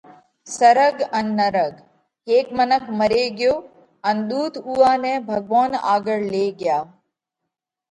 سرڳ ان نرڳ: هيڪ منک مري ڳيو ان ۮُوت اُوئا نئہ ڀڳوونَ آڳۯ لي ڳيا۔